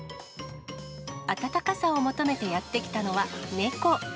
暖かさを求めてやって来たのは猫。